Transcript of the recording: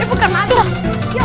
eh bukan malik